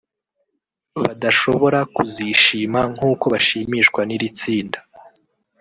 badashobora kuzishima nk'uko bashimishwa n'iri tsinda